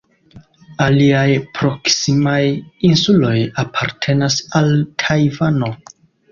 Aliaj proksimaj insuloj apartenas al Tajvano.